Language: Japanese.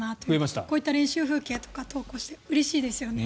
こういった練習風景とか投稿してうれしいですよね。